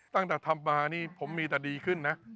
ตั้งแต่ทำมานี่ผมมีแต่ดีขึ้นนะ